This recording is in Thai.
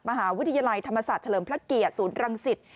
มหาวิทยาลัยธรรมศาสตร์เฉลิมพระเกียรติศูนย์รังสิต